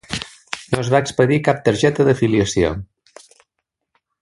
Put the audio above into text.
No es va expedir cap targeta d'afiliació.